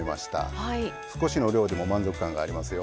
少しの量でも満足感がありますよ。